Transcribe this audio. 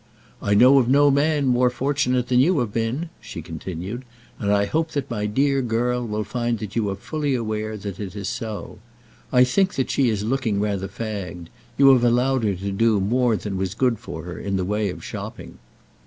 "I know of no man more fortunate than you have been," she continued; "and I hope that my dear girl will find that you are fully aware that it is so. I think that she is looking rather fagged. You have allowed her to do more than was good for her in the way of shopping."